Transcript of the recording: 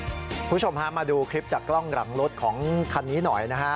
คุณผู้ชมฮะมาดูคลิปจากกล้องหลังรถของคันนี้หน่อยนะฮะ